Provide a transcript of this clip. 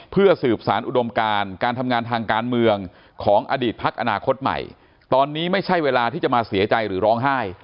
เพื่อสืบสารอุดมการการทำงานทางการเมืองของอดีตพักอนาคตใหม่ตอนนี้ไม่ใช่เวลาที่จะมาเสียใจหรือร้องไห้